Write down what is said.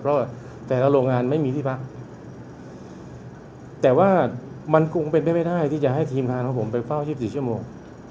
เพราะว่าแต่ละโรงงานไม่มีที่พักแต่ว่ามันคงเป็นไปไม่ได้ที่จะให้ทีมงานของผมไปเฝ้า๒๔ชั่วโมง